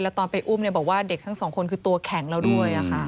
ตอนไปอุ้มบอกว่าเด็กทั้งสองคนคือตัวแข็งแล้วด้วย